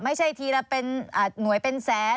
ไม่ใช่ทีละเป็นหน่วยเป็นแสน